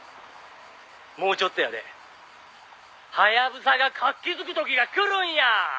もうちょっとやで」「ハヤブサが活気づく時がくるんや！」